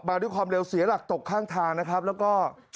มาด้วยความเร็วเสียหลักตกข้างทางแล้วก็